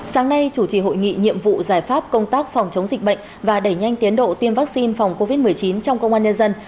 sáng nay chủ trì hội nghị nhiệm vụ giải pháp công tác phòng chống dịch bệnh và đẩy nhanh tiến độ tiêm vaccine phòng covid một mươi chín trong công an nhân dân